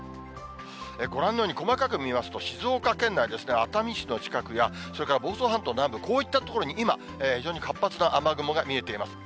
ご覧のように細かく見ますと、静岡県内ですね、熱海市の近くや、それから房総半島南部、こういった所に今、非常に活発な雨雲が見えています。